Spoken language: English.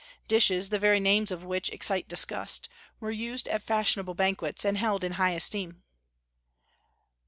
Dishes, the very names of which excite disgust, were used at fashionable banquets, and held in high esteem.